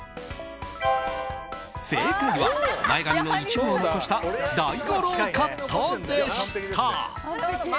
正解は、前髪の一部を残した大五郎カットでした。